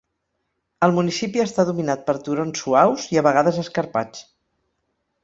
El municipi està dominat per turons suaus i a vegades escarpats.